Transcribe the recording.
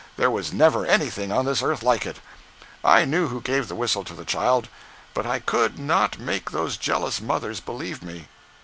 there was never anything on this earth like it! I knew who gave the whistle to the child, but I could, not make those jealous mothers believe me.